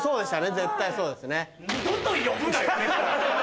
絶対そうですね。